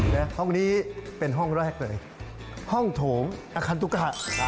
และห้องนี้เป็นห้องแรกเลยห้องโถมอาคารตุ๊กหะ